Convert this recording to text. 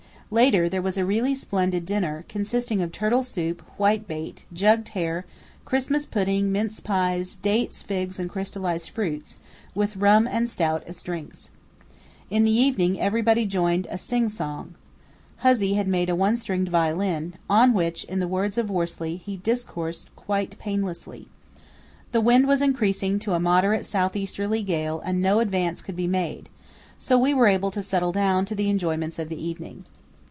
Later there was a really splendid dinner, consisting of turtle soup, whitebait, jugged hare, Christmas pudding, mince pies, dates, figs and crystallized fruits, with rum and stout as drinks. In the evening everybody joined in a "sing song." Hussey had made a one stringed violin, on which, in the words of Worsley, he "discoursed quite painlessly." The wind was increasing to a moderate south easterly gale and no advance could be made, so we were able to settle down to the enjoyments of the evening.